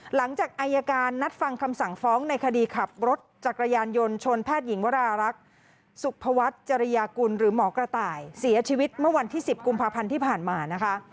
หลังจากอายการนัดฟังคำสั่งฟ้องในคดีขับรถจักรยานยนต์ชนแพทย์หญิงวรารักษ์สุภวัฒน์จริยากุลหรือหมอกระต่ายเสียชีวิตเมื่อวันที่๑๐กุมภาพันธ์ที่ผ่านมานะคะ